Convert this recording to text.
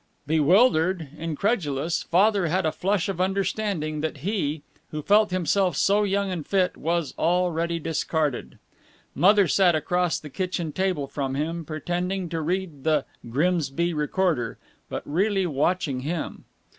Bewildered, incredulous, Father had a flash of understanding that he, who felt himself so young and fit, was already discarded. Mother sat across the kitchen table from him, pretending to read the Grimsby Recorder, but really watching him.